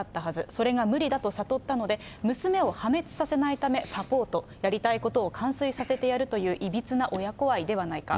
それが無理だと悟ったので、娘を破滅させないためサポート、やりたいことを完遂させてやるといういびつな親子愛ではないか。